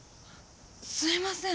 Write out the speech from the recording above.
すいません。